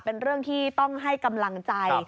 เป็นเรื่องที่ต้องให้กำลังใจ